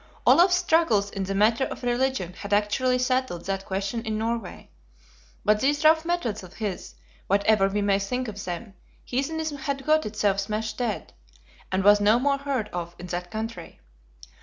Olaf's struggles in the matter of religion had actually settled that question in Norway. By these rough methods of his, whatever we may think of them, Heathenism had got itself smashed dead; and was no more heard of in that country.